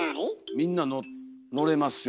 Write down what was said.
みんな乗れますよね。